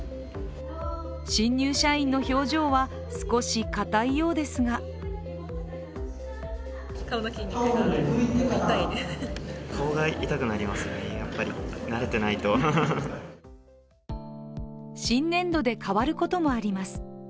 新入社員の表情は少し硬いようですが新年度で変わることもあります。